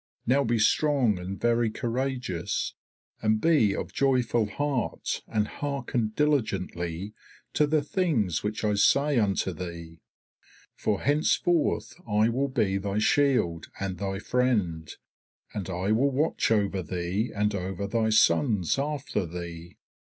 Now be strong and very courageous, and be of joyful heart, and hearken diligently to the things which I say unto thee; for henceforth I will be thy shield and thy friend, and I will watch over thee and over thy sons after thee.